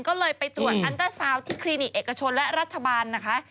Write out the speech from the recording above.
ก็เลยไปตรวจอันตราซาวน์ที่คลินิกเอกชนและรัฐบาลนะคะ